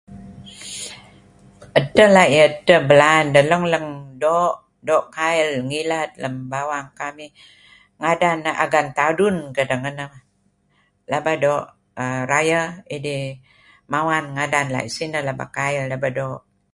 Edteh la'ih edteh belaan deh leng-leng doo', doo' kail ngilad lem bawang kamih. Ngadan neh Agan Tadun Kedeh ngeneh. Laba doo' rayeh, idih mawan ngadan la'ih sineh. Pelaba kail, pelaba doo'.